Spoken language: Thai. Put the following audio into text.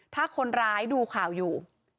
ถ้าคนร้ายดูข่าวอยู่